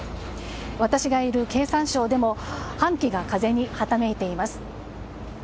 私がいる経産省でも半旗が風にはためいています。